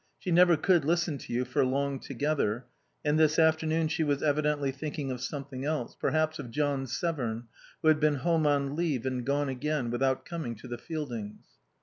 She never could listen to you for long together, and this afternoon she was evidently thinking of something else, perhaps of John Severn, who had been home on leave and gone again without coming to the Fieldings.